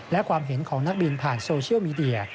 และความเห็นของนักบินผ่านโซเชียลมีเดีย